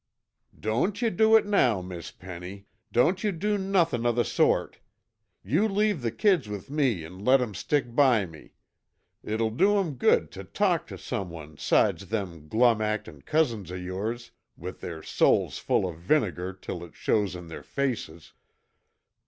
"Don't yuh do it now, Miss Penny, don't you do nothin' o' the sort. You leave the kids with me an' let 'em stick by me. It'll do 'em good tuh talk tuh someone 'sides them glum actin' cousins of yores with their souls full o' vinegar till it shows in their faces."